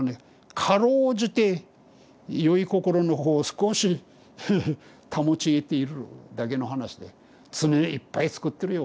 辛うじてよい心の方を少しフフ保ちえているだけの話で罪をいっぱいつくってるよ